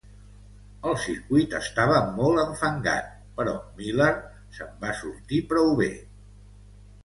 El circuit estava molt enfangat, però Miller se'n va sortir prou bé.